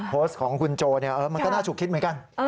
โพสต์ของคุณโจมันก็น่าฉุกคิดเหมือนกัน